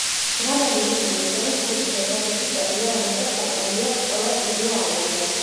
დრამერი ნიკ მეისონი ჯგუფის ერთადერთი წევრია, რომელსაც დაკრული აქვს ყველა სტუდიურ ალბომზე.